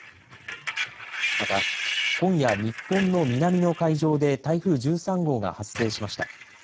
また今夜日本の南の海上で台風１３号が発生しました。